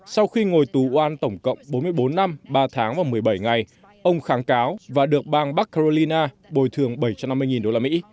sau khi ngồi tù oan tổng cộng bốn mươi bốn năm ba tháng và một mươi bảy ngày ông kháng cáo và được bang bacrolina bồi thường bảy trăm năm mươi đô la mỹ